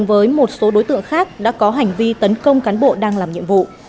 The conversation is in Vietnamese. với một số đối tượng khác đã có hành vi tấn công cán bộ đang làm nhiệm vụ